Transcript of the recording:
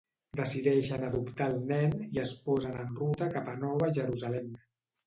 Decideixen adoptar el nen i es posen en ruta cap a Nova Jerusalem.